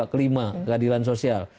kelima keadilan sosial